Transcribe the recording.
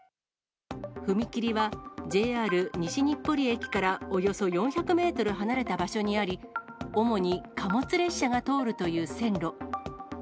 踏切は、ＪＲ西日暮里駅からおよそ４００メートル離れた場所にあり、主に貨物列車が通るという線路。